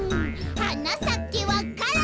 「はなさけわか蘭」